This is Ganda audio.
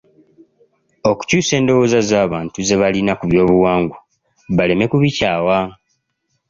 Okukyusa endowooza z’abant ze balina ku by’obuwangwa; baleme kubikyawa.